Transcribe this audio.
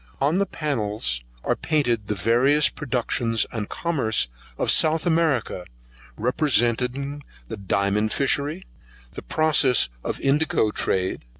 On the pannels are painted the various productions and commerce of South America, representing the diamond fishery, the process of the indigo trade.